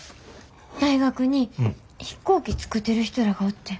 大学に飛行機作ってる人らがおってん。